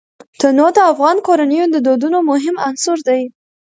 تنوع د افغان کورنیو د دودونو مهم عنصر دی.